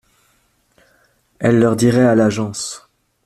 Elle leur dirait à l’agence